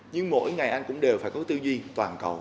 nhưng mỗi ngày anh cũng đều phải có tư duy toàn cầu